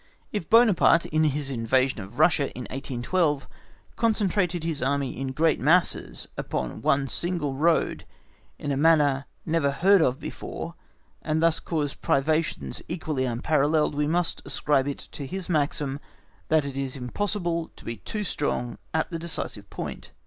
If Buonaparte, in his invasion of Russia in 1812, concentrated his Army in great masses upon one single road in a manner never heard of before, and thus caused privations equally unparalleled, we must ascribe it to his maxim that it is impossible to be too strong at the decisive point.